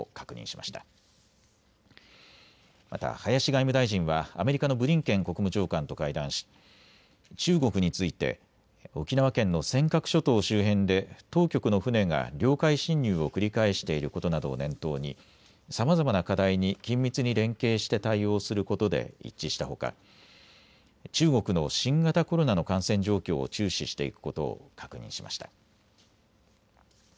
また林外務大臣はアメリカのブリンケン国務長官と会談し中国について沖縄県の尖閣諸島周辺で当局の船が領海侵入を繰り返していることなどを念頭にさまざまな課題に緊密に連携して対応することで一致したほか中国の新型コロナの感染状況を注視していくことを確認しました。